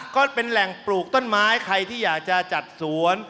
ก็เป็นแหล่งปลูกต้นไม้ใครที่อยากจะจัดสวน